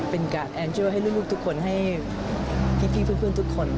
เป็นการแอนเจอร์ให้ลูกทุกคนให้พี่เพื่อนทุกคน